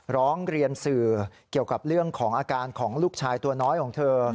ร้องเรียนสื่อเกี่ยวกับเรื่องของอาการของลูกชายตัวน้อยของเธอ